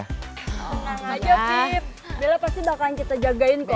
senang aja fir bella pasti bakalan kita jagain kok